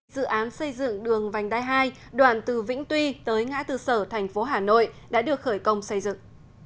dự án xây dựng đường vành đai hai đoạn từ vĩnh tuy tới ngã tư sở thành phố hà nội đã được khởi công xây dựng